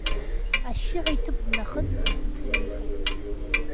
Ашьшьыҳәа иҭыԥ днахыҵын, иҿынеихеит.